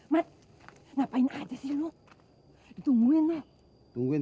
mati ngapain aja sih lu tungguin tungguin